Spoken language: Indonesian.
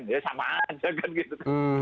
ya sama aja kan gitu